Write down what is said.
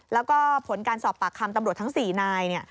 แล้วก็ผลการสอบปากคำตำรวจทั้ง๔นาย